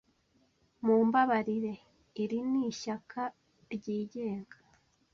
Mumbabarire, iri ni ishyaka ryigenga.